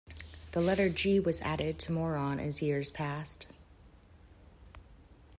The letter "g" was added to Moron as years passed.